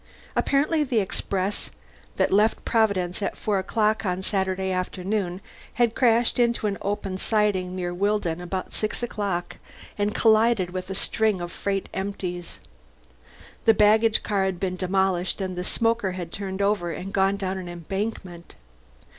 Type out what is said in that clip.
Apparently the express that left Providence at four o'clock on Saturday afternoon had crashed into an open siding near Willdon about six o'clock, and collided with a string of freight empties. The baggage car had been demolished and the smoker had turned over and gone down an embankment.